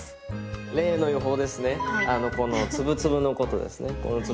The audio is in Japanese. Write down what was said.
例の油胞ですね